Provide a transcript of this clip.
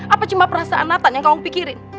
apa cuma perasaan natal yang kamu pikirin